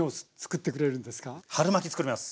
春巻作ります。